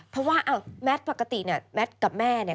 เพราะว่าแมทปกติเนี่ยแมทกับแม่เนี่ย